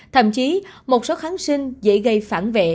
thậm chí một số kháng sinh dễ gây phản vệ